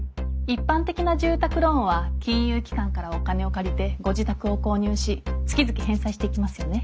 一般的な住宅ローンは金融機関からお金を借りてご自宅を購入し月々返済していきますよね。